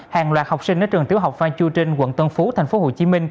hàng loạt học sinh ở trường tiểu học phan chu trinh quận tân phú tp hcm